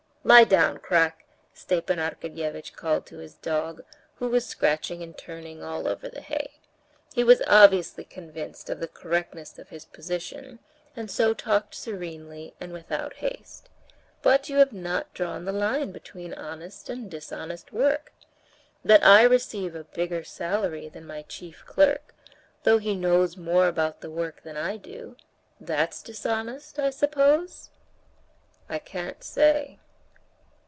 Lie down, Krak!" Stepan Arkadyevitch called to his dog, who was scratching and turning over all the hay. He was obviously convinced of the correctness of his position, and so talked serenely and without haste. "But you have not drawn the line between honest and dishonest work. That I receive a bigger salary than my chief clerk, though he knows more about the work than I do—that's dishonest, I suppose?" "I can't say."